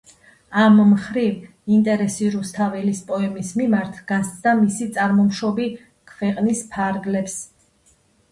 ამ მხრივ, ინტერესი რუსთაველის პოემის მიმართ გასცდა მისი წარმომშობი ქვეყნის ფარგლებს.